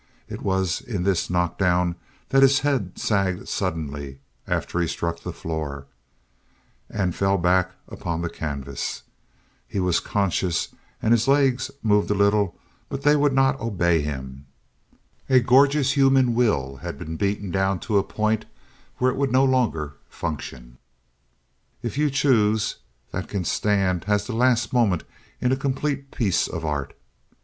It was in this knockdown that his head sagged suddenly, after he struck the floor, and fell back upon the canvas. He was conscious and his legs moved a little, but they would not obey him. A gorgeous human will had been beaten down to a point where it would no longer function. If you choose, that can stand as the last moment in a completed piece of art.